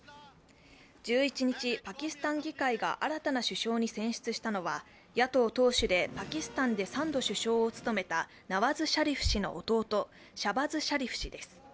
１１日パキスタン議会が新たな首相に選出したのは野党党首でパキスタンで３度首相を務めたナワズ・シャリフ氏の弟、シャバズ・シャリフ氏です。